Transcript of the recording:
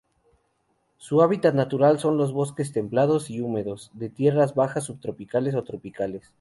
Su hábitat natural son bosques templados y húmedos de tierras bajas subtropicales o tropicales.